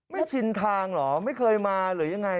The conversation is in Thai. ชินทางเหรอไม่เคยมาหรือยังไง